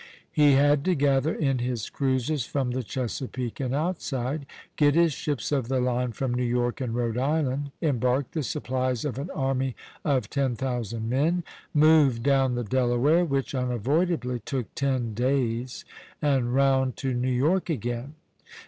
He had to gather in his cruisers from the Chesapeake and outside, get his ships of the line from New York and Rhode Island, embark the supplies of an army of ten thousand men, move down the Delaware, which unavoidably took ten days, and round to New York again.